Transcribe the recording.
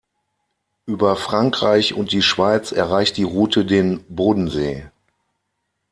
Über Frankreich und die Schweiz erreicht die Route den Bodensee.